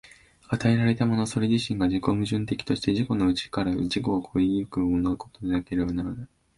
与えられたものそれ自身が自己矛盾的として、自己の内から自己を越え行くことでなければならない。